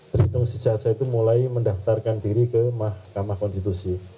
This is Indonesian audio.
berhitung si jasa itu mulai mendaftarkan diri ke mahkamah konstitusi